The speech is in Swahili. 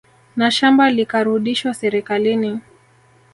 Na shamba likarudishwa serikalini